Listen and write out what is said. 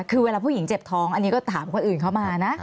คือเวลาผู้หญิงเจ็บท้องอันนี้ก็ถามคนอื่นเข้ามานะ